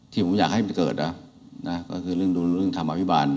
ที่ผมอยากให้มันเกิดนะก็คือเรื่องดูเรื่องทำอภิบาล